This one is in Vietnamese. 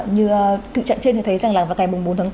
như thị trạng trên thấy rằng là ngày bốn tháng bốn